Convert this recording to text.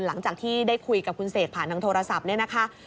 หลังจากที่ได้คุยกับคุณเสกผ่านทางโทรศัพท์เนี่ยนะคะ